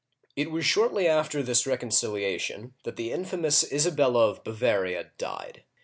It was shortly after this reconciliation that the infamous Isabella of Bavaria died.